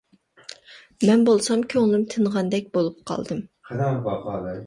مەن بولسام كۆڭلۈم تىنغاندەك بولۇپ قالدىم.